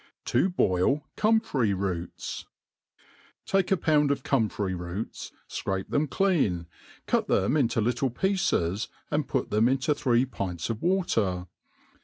i *" To boil Comfrey 'Roots t TAKE a pound of comfrey roots, fcrape (hem clean, cuf them into little pieces, and put them into three pints of water.